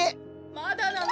・まだなの？